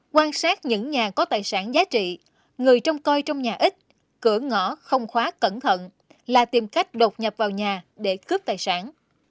quan sát những nhà có tài sản giá trị người trông coi trong nhà ít cửa ngõ không khóa cẩn thận là tìm cách đột nhập vào nhà để cướp tài sản